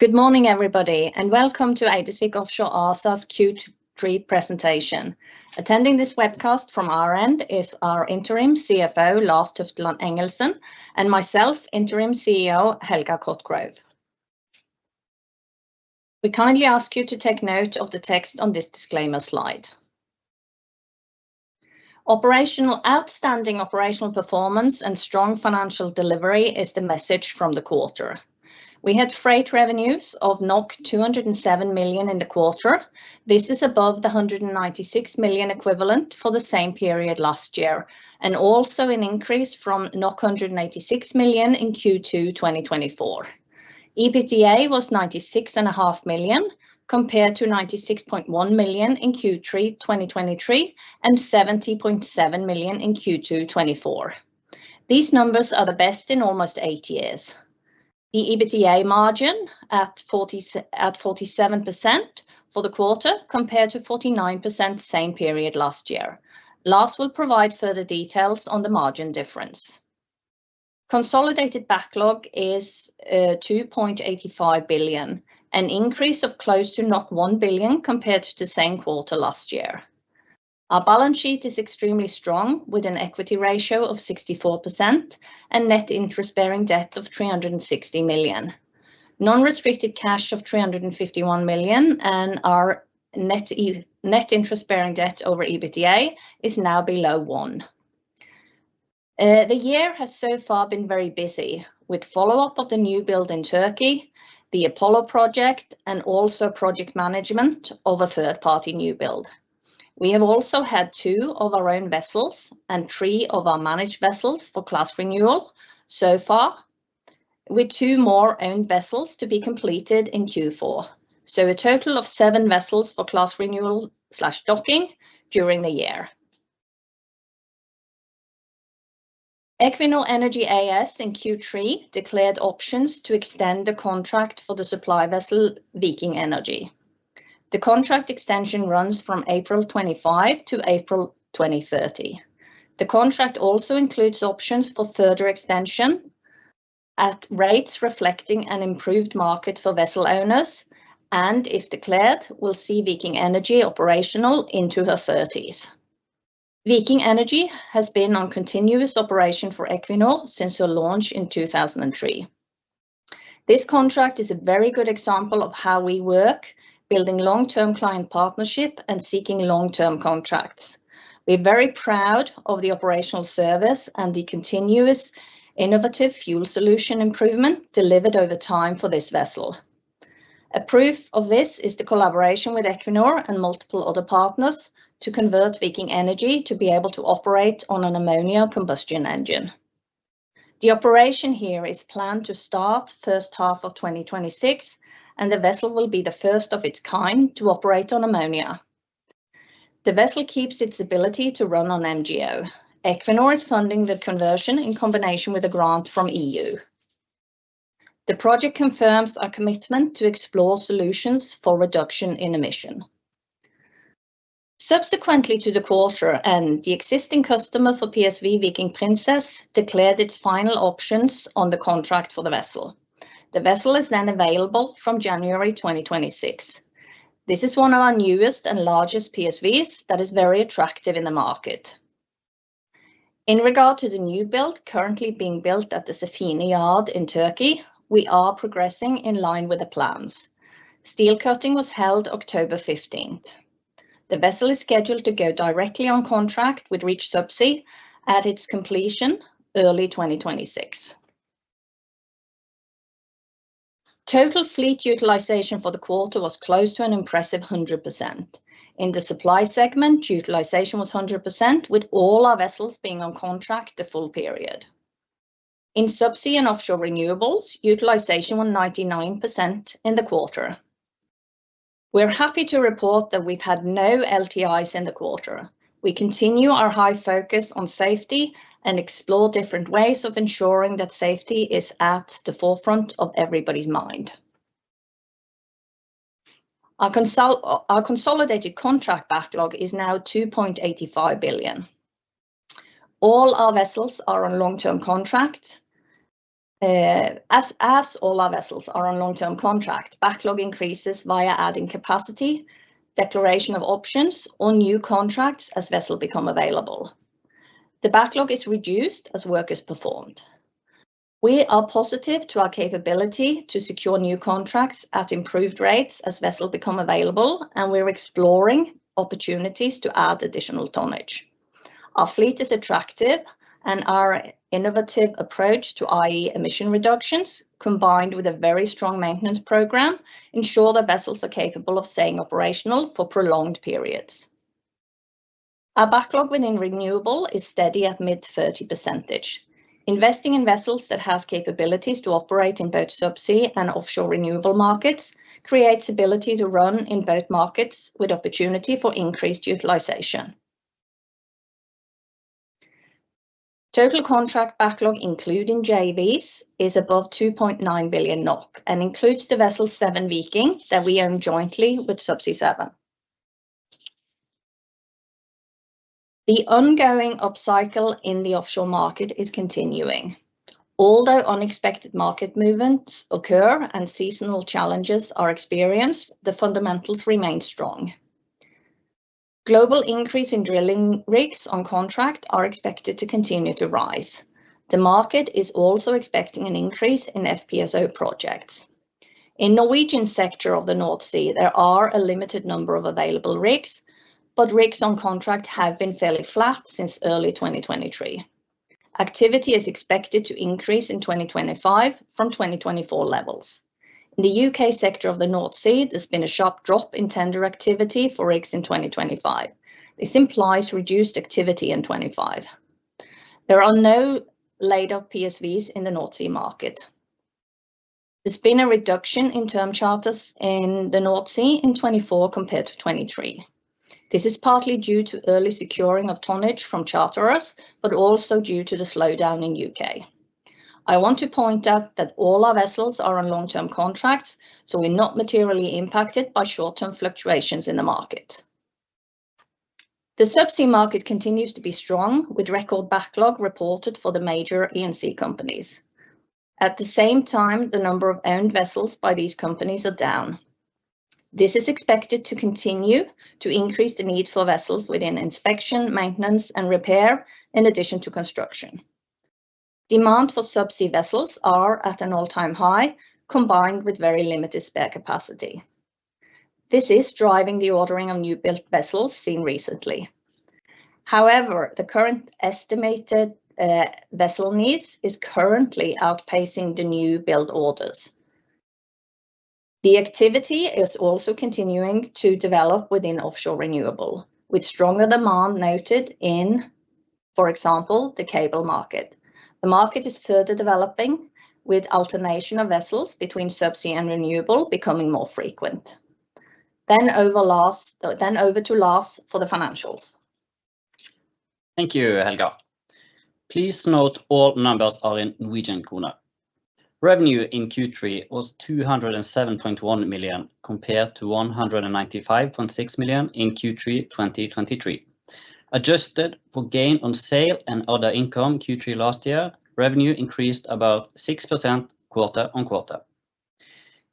Good morning, everybody, and welcome to Eidesvik Offshore ASA's Q3 presentation. Attending this webcast from our end is our Interim CFO, Lars Tufteland Engelsen, and myself, Interim CEO Helga Cotgrove. We kindly ask you to take note of the text on this disclaimer slide. "Outstanding operational performance and strong financial delivery" is the message from the quarter. We had freight revenues of 207 million in the quarter. This is above the 196 million equivalent for the same period last year, and also an increase from 186 million in Q2 2024. EBITDA was 96.5 million compared to 96.1 million in Q3 2023 and 70.7 million in Q2 2024. These numbers are the best in almost eight years. The EBITDA margin at 47% for the quarter compared to 49% same period last year. Lars will provide further details on the margin difference. Consolidated backlog is 2.85 billion, an increase of close to 1 billion compared to the same quarter last year. Our balance sheet is extremely strong, with an equity ratio of 64% and net interest-bearing debt of 360 million. Non-restricted cash of 351 million and our net interest-bearing debt over EBITDA is now below one. The year has so far been very busy with follow-up of the new build in Turkey, the Apollo project, and also project management of a third-party new build. We have also had two of our own vessels and three of our managed vessels for class renewal so far, with two more owned vessels to be completed in Q4. So, a total of seven vessels for class renewal/docking during the year. Equinor Energy AS in Q3 declared options to extend the contract for the supply vessel Viking Energy. The contract extension runs from April 25 to April 2030. The contract also includes options for further extension at rates reflecting an improved market for vessel owners, and if declared, will see Viking Energy operational into her 30s. Viking Energy has been on continuous operation for Equinor since her launch in 2003. This contract is a very good example of how we work, building long-term client partnership and seeking long-term contracts. We're very proud of the operational service and the continuous innovative fuel solution improvement delivered over time for this vessel. A proof of this is the collaboration with Equinor and multiple other partners to convert Viking Energy to be able to operate on an ammonia combustion engine. The operation here is planned to start first half of 2026, and the vessel will be the first of its kind to operate on ammonia. The vessel keeps its ability to run on MGO. Equinor is funding the conversion in combination with a grant from the EU. The project confirms our commitment to explore solutions for reduction in emission. Subsequently to the quarter, the existing customer for PSV Viking Princess declared its final options on the contract for the vessel. The vessel is then available from January 2026. This is one of our newest and largest PSVs that is very attractive in the market. In regard to the new build currently being built at the Sefine Shipyard in Turkey, we are progressing in line with the plans. Steel cutting was held October 15. The vessel is scheduled to go directly on contract with Reach Subsea at its completion early 2026. Total fleet utilization for the quarter was close to an impressive 100%. In the supply segment, utilization was 100%, with all our vessels being on contract the full period. In subsea and offshore renewables, utilization was 99% in the quarter. We're happy to report that we've had no LTIs in the quarter. We continue our high focus on safety and explore different ways of ensuring that safety is at the forefront of everybody's mind. Our consolidated contract backlog is now 2.85 billion. All our vessels are on long-term contracts. As all our vessels are on long-term contracts, backlog increases via adding capacity, declaration of options, or new contracts as vessels become available. The backlog is reduced as work is performed. We are positive to our capability to secure new contracts at improved rates as vessels become available, and we're exploring opportunities to add additional tonnage. Our fleet is attractive, and our innovative approach to the emission reductions, combined with a very strong maintenance program, ensure that vessels are capable of staying operational for prolonged periods. Our backlog within renewable is steady at mid-30%. Investing in vessels that have capabilities to operate in both subsea and offshore renewable markets creates the ability to run in both markets with opportunity for increased utilization. Total contract backlog, including JVs, is above 2.9 billion NOK and includes the vessel Seven Viking that we own jointly with Subsea7. The ongoing upcycle in the offshore market is continuing. Although unexpected market movements occur and seasonal challenges are experienced, the fundamentals remain strong. Global increase in drilling rigs on contract are expected to continue to rise. The market is also expecting an increase in FPSO projects. In the Norwegian sector of the North Sea, there are a limited number of available rigs, but rigs on contract have been fairly flat since early 2023. Activity is expected to increase in 2025 from 2024 levels. In the U.K. sector of the North Sea, there's been a sharp drop in tender activity for rigs in 2025. This implies reduced activity in 2025. There are no laid up PSVs in the North Sea market. There's been a reduction in term charters in the North Sea in 2024 compared to 2023. This is partly due to early securing of tonnage from charterers, but also due to the slowdown in the U.K. I want to point out that all our vessels are on long-term contracts, so we're not materially impacted by short-term fluctuations in the market. The subsea market continues to be strong, with record backlog reported for the major E&C companies. At the same time, the number of owned vessels by these companies is down. This is expected to continue to increase the need for vessels within inspection, maintenance, and repair in addition to construction. Demand for subsea vessels is at an all-time high, combined with very limited spare capacity. This is driving the ordering of new build vessels seen recently. However, the current estimated vessel needs are currently outpacing the new build orders. The activity is also continuing to develop within offshore renewable, with stronger demand noted in, for example, the cable market. The market is further developing, with alternation of vessels between subsea and renewable becoming more frequent. Then over to Lars for the financials. Thank you, Helga. Please note all numbers are in Norwegian kroner. Revenue in Q3 was 207.1 million compared to 195.6 million in Q3 2023. Adjusted for gain on sale and other income Q3 last year, revenue increased about 6% quarter on quarter.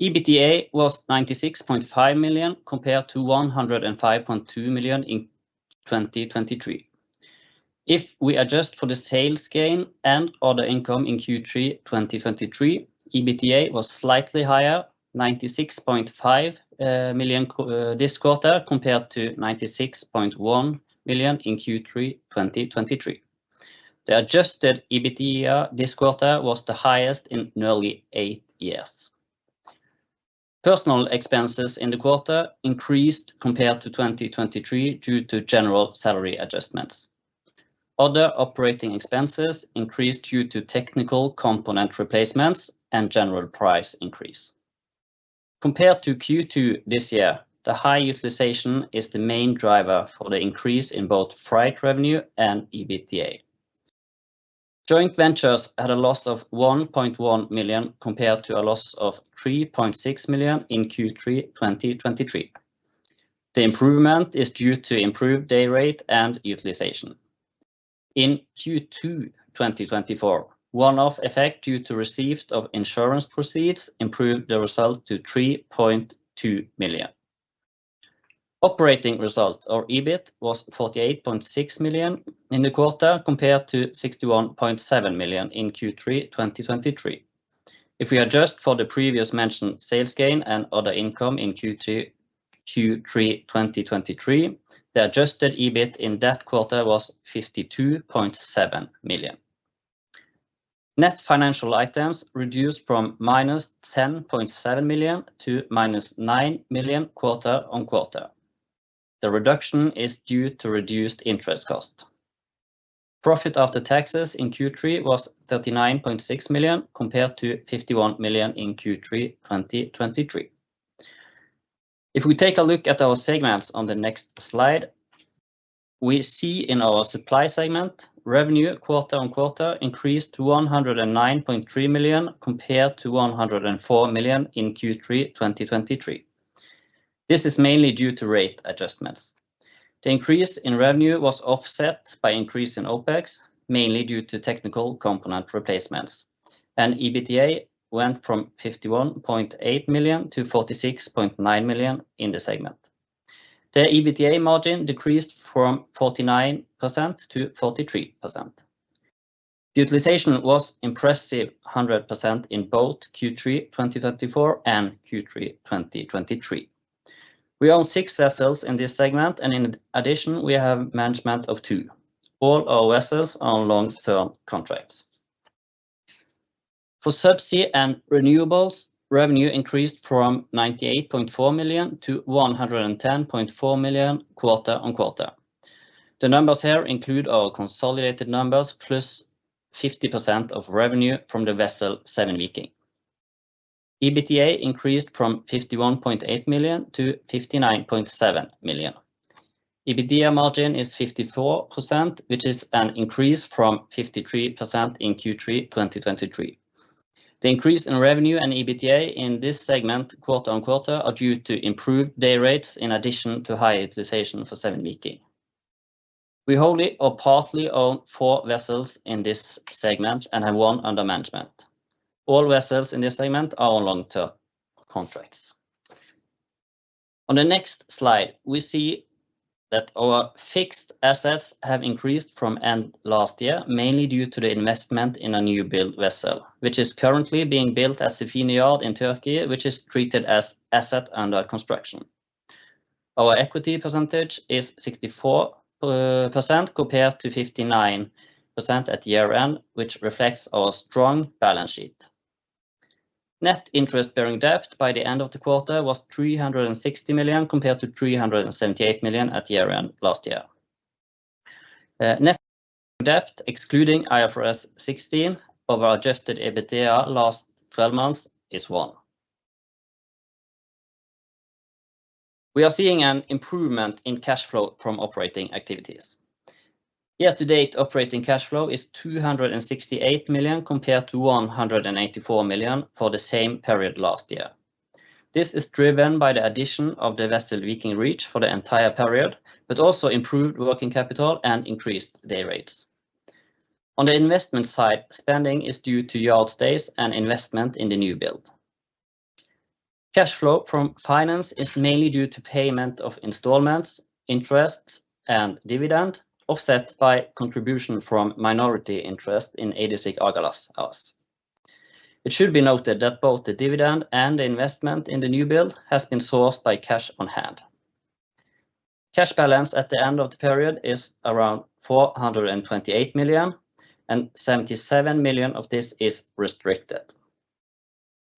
EBITDA was 96.5 million compared to 105.2 million in 2023. If we adjust for the sales gain and other income in Q3 2023, EBITDA was slightly higher, 96.5 million this quarter compared to 96.1 million in Q3 2023. The adjusted EBITDA this quarter was the highest in nearly eight years. Personnel expenses in the quarter increased compared to 2023 due to general salary adjustments. Other operating expenses increased due to technical component replacements and general price increase. Compared to Q2 this year, the high utilization is the main driver for the increase in both freight revenue and EBITDA. Joint ventures had a loss of 1.1 million compared to a loss of 3.6 million in Q3 2023. The improvement is due to improved day rate and utilization. In Q2 2024, one-off effect due to received insurance proceeds improved the result to 3.2 million. Operating result, or EBIT, was 48.6 million in the quarter compared to 61.7 million in Q3 2023. If we adjust for the previously mentioned sales gain and other income in Q3 2023, the adjusted EBIT in that quarter was 52.7 million. Net financial items reduced from minus 10.7 million to minus 9 million quarter on quarter. The reduction is due to reduced interest cost. Profit after taxes in Q3 was 39.6 million compared to 51 million in Q3 2023. If we take a look at our segments on the next slide, we see in our supply segment, revenue quarter on quarter increased to 109.3 million compared to 104 million in Q3 2023. This is mainly due to rate adjustments. The increase in revenue was offset by increase in OPEX, mainly due to technical component replacements, and EBITDA went from 51.8 million to 46.9 million in the segment. The EBITDA margin decreased from 49% to 43%. The utilization was impressive 100% in both Q3 2024 and Q3 2023. We own six vessels in this segment, and in addition, we have management of two. All our vessels are on long-term contracts. For subsea and renewables, revenue increased from 98.4 million to 110.4 million quarter on quarter. The numbers here include our consolidated numbers plus 50% of revenue from the vessel Seven Viking. EBITDA increased from 51.8 million to 59.7 million. EBITDA margin is 54%, which is an increase from 53% in Q3 2023. The increase in revenue and EBITDA in this segment quarter on quarter are due to improved day rates in addition to high utilization for Seven Viking. We wholly or partly own four vessels in this segment and have one under management. All vessels in this segment are on long-term contracts. On the next slide, we see that our fixed assets have increased from end last year, mainly due to the investment in a new build vessel, which is currently being built at Sefine Shipyard in Turkey, which is treated as an asset under construction. Our equity percentage is 64% compared to 59% at year-end, which reflects our strong balance sheet. Net interest-bearing debt by the end of the quarter was 360 million compared to 378 million at year-end last year. Net interest-bearing debt, excluding IFRS 16 of our adjusted EBITDA last 12 months, is 1. We are seeing an improvement in cash flow from operating activities. Year to date, operating cash flow is 268 million compared to 184 million for the same period last year. This is driven by the addition of the vessel Viking Reach for the entire period, but also improved working capital and increased day rates. On the investment side, spending is due to yard stays and investment in the new build. Cash flow from finance is mainly due to payment of installments, interests, and dividend, offset by contribution from minority interest in Eidesvik Agalas AS. It should be noted that both the dividend and the investment in the new build has been sourced by cash on hand. Cash balance at the end of the period is around 428 million, and 77 million of this is restricted.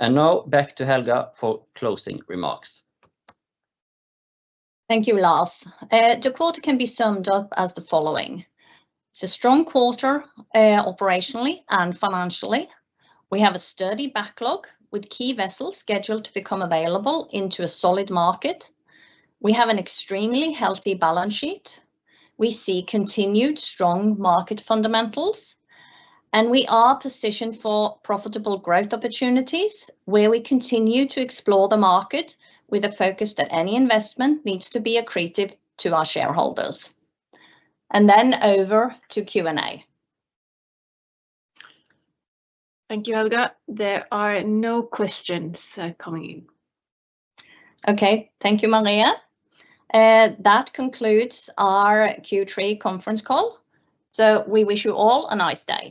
Now back to Helga for closing remarks. Thank you, Lars. The quarter can be summed up as the following. It's a strong quarter operationally and financially. We have a sturdy backlog with key vessels scheduled to become available into a solid market. We have an extremely healthy balance sheet. We see continued strong market fundamentals, and we are positioned for profitable growth opportunities where we continue to explore the market with a focus that any investment needs to be accretive to our shareholders, and then over to Q&A. Thank you, Helga. There are no questions coming in. Okay, thank you, Maria. That concludes our Q3 conference call. So we wish you all a nice day.